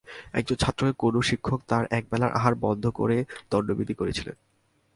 একজন ছাত্রকে কোনো শিক্ষক তার একবেলার আহার বন্ধ করে দণ্ডবিধান করেছিলেন।